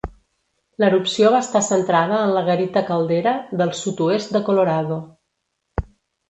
L'erupció va estar centrada en La Garita Caldera del sud-oest de Colorado.